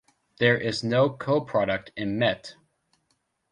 There is no coproduct in Met.